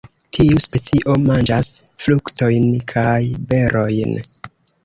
Tiu specio manĝas fruktojn kaj berojn.